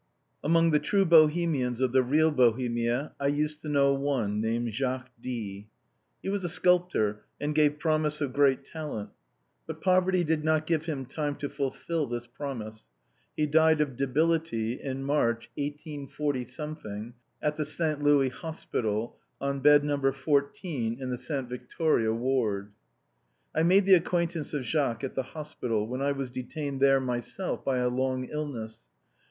Amongst the true Bohemians of the real Bohemia I used to know one, named Jacques D. He was a sculptor, and gave promise of great talent. But poverty did not give him time to fulfil this promise. He died of debility in March, 184 —, at the Saint Louis Hospital, on bed No. 14 in the Sainte Victoire ward. I made the acquaintance of Jacques at the hospital, where I was detained myself by a long illness.